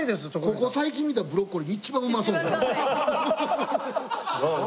ここ最近見たブロッコリーで一番うまそう。